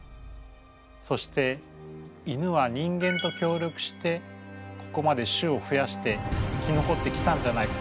そして犬は人間と協力してここまで種をふやして生き残ってきたんじゃないか。